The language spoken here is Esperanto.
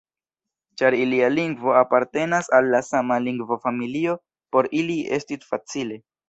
Ĉar ilia lingvo apartenas al la sama lingvofamilio, por ili estis facile.